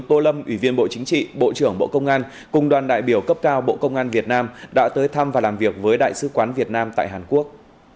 tô lâm ủy viên bộ chính trị bộ trưởng bộ công an cùng đoàn đại biểu cấp cao bộ công an việt nam đã tới thăm và làm việc với đại sứ quán việt nam tại hàn quốc